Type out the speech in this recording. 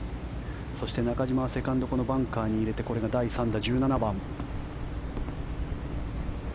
そして、中島はセカンドこのバンカーに入れてこれが第３打、１７番。